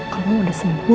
kalau mama udah sembuh